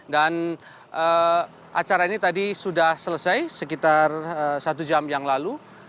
dan acara ini tadi sudah selesai sekitar satu jam yang lalu